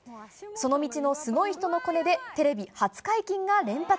その道のすごい人のコネで、テレビ初解禁が連発。